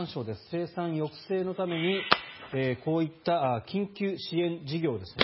生産抑制のためにこういった緊急支援事業ですね